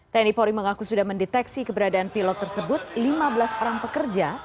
tni polri mengaku sudah mendeteksi keberadaan pilot tersebut lima belas orang pekerja